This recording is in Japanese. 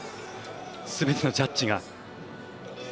すべてのジャッジが。